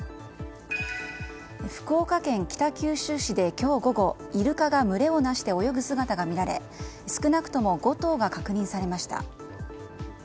福岡県北九州市で今日午後イルカが群れをなして泳ぐ姿が見られ少なくとも５頭が確認されました。